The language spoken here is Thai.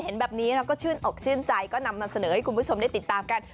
เห็นแบบนี้แล้วก็ชื่นอกชื่นใจก็นำมาเสนอให้คุณผู้ชมได้ติดตามกัน